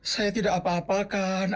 saya tidak apa apakan